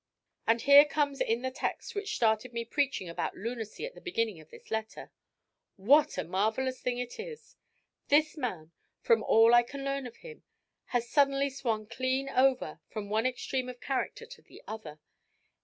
And here comes in the text which started me preaching about lunacy at the beginning of this letter. WHAT a marvellous thing it is! This man, from all I can learn of him, has suddenly swung clean over from one extreme of character to the other.